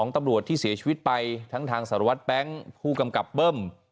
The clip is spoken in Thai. ตำรวจที่เสียชีวิตไปทั้งทางสารวัตรแบงค์ผู้กำกับเบิ้ม